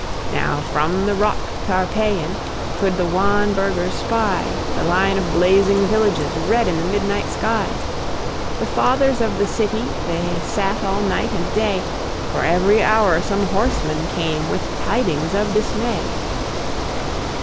Now, from the rock Tarpeian, Could the wan burghers spy The line of blazing villages Red in the midnight sky. The Fathers of the City, They sat all night and day, For every hour some horseman came With tidings of dismay.